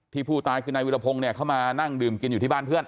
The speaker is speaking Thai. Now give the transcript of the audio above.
ผู้ตายคือนายวิรพงศ์เนี่ยเข้ามานั่งดื่มกินอยู่ที่บ้านเพื่อน